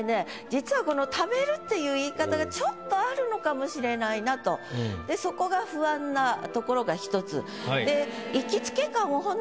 実はこの「溜める」っていう言い方がちょっとあるのかもしれないなとそこが不安なところが１つ。